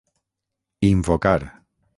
Invocar